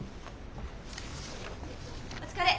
お疲れ。